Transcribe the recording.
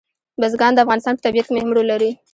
بزګان د افغانستان په طبیعت کې مهم رول لري.